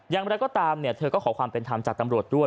อย่างไรก็ตามเธอก็ขอความเป็นธรรมจากตำรวจด้วย